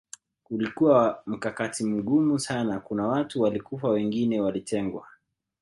Ulikuwa mkakati mgumu sana kuna watu walikufa wengine walitengwa